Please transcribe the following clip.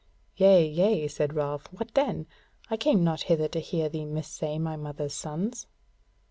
"Yea, yea," said Ralph, "what then? I came not hither to hear thee missay my mother's sons."